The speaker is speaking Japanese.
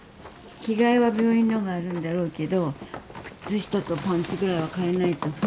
着替えは病院のがあるんだろうけど靴下とパンツぐらいは替えないとホンットにモテないからね。